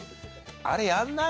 あれやんない？